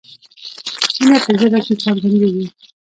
مینه په ژبه کې څرګندیږي.